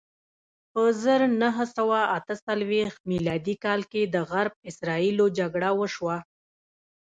په زر نه سوه اته څلویښت میلادي کال کې د عرب اسراییلو جګړه وشوه.